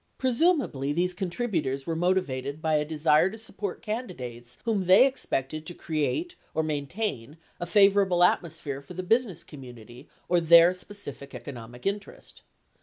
Presumably, these contributors were motivated by a desire to support candidates whom they expected to create or maintain a favorable atmosphere for the business commu nity or their specific economic interest.